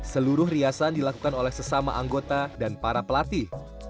seluruh riasan dilakukan oleh sesama anggota dan para pelatih